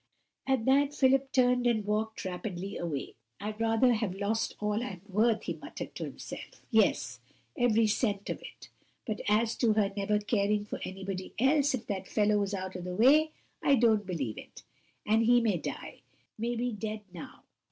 At that Philip turned and walked rapidly away. "I'd rather have lost all I'm worth!" he muttered to himself. "Yes; every cent of it. But as to her never caring for anybody else if that fellow was out o' the way, I don't believe it. And he may die; may be dead now.